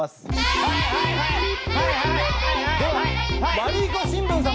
ではワルイコ新聞様。